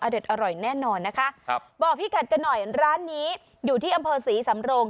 เด็ดอร่อยแน่นอนนะคะครับบอกพี่กัดกันหน่อยร้านนี้อยู่ที่อำเภอศรีสำโรง